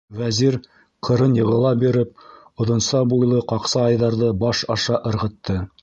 Вәзир, ҡырын йығыла биреп, оҙонса буйлы ҡаҡса Айҙарҙы баш аша ырғытты.